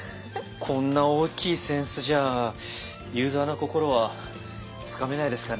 こんな大きい扇子じゃユーザーの心はつかめないですかね。